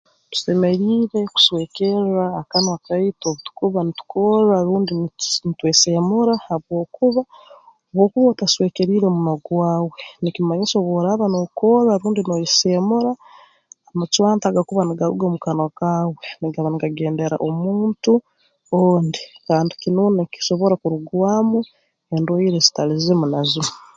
Tusemeriire kuswekerra akanwa kaitu obu tukuba nitukorra rundi ntsi ntweseemura habwokuba obu okuba otaswekeriire omunwa gwawe nikimanyisa obu oraaba nookorra rundi nooyeseemura amacwanta agakuba nigaruga omu kanwa kaawe nigaba nigagendera omuntu ondi kandi kinuuna kisobora kurugwamu endwaire ezitali zimu na zimu